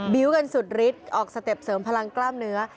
กันสุดฤทธิ์ออกสเต็ปเสริมพลังกล้ามเนื้อ